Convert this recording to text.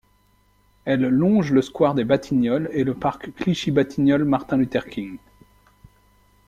Elle longe le square des Batignolles et le parc Clichy-Batignolles - Martin Luther King.